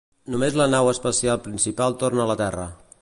Només la nau espacial principal torna a la Terra.